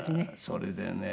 それでね